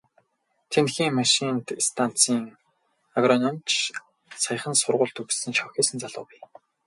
Тэндхийн машинт станцын агрономич, саяхан сургууль төгссөн шавхийсэн залуу бий.